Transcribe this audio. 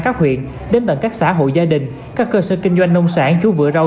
các huyện đến tận các xã hội gia đình các cơ sở kinh doanh nông sản chú vựa rau